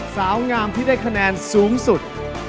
สาวงามที่ได้คะแนนสูงสุด